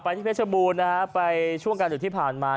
ไปที่พระเจ้าบูธช่วงการหยุดที่ผ่านมา